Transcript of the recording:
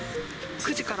９時から？